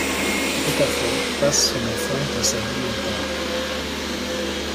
Rita Falk passe son enfance dans sa ville natale.